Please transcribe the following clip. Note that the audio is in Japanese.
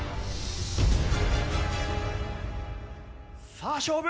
さあ勝負！